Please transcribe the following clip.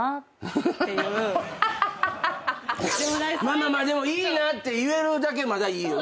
まあまあでもいいなって言えるだけまだいいよね。